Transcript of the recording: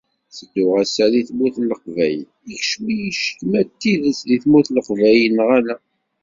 Tedduɣ ass-a di tmurt n Leqbayel, ikcem-iyi ccek ma d tidet di tmurt n Leqbayel neɣ ala.